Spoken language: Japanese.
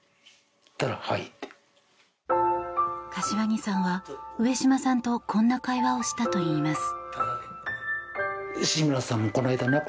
柏木さんは上島さんとこんな会話をしたといいます。